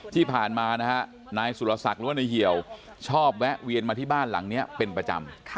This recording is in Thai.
ที่ผ่านมานะฮะนายสุรศักดิ์หรือว่านายเหี่ยวชอบแวะเวียนมาที่บ้านหลังนี้เป็นประจำ